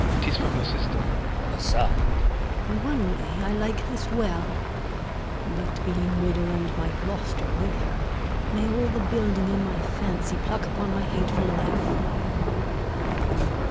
'Tis from your sister. Gon. [aside] One way I like this well; But being widow, and my Gloucester with her, May all the building in my fancy pluck Upon my hateful life.